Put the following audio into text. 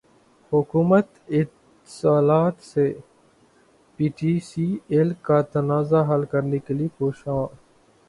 حکومت اتصالات سے پی ٹی سی ایل کا تنازع حل کرنے کیلئے کوشاں